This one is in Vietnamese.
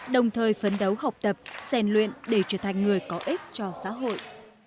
đồng thời phấn đấu học tập sàn luyện để trở thành người có ích cho xã hội